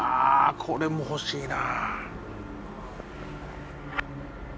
これも欲しいな。